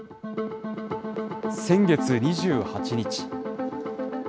先月２８日。